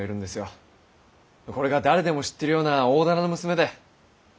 これが誰でも知ってるような大店の娘で。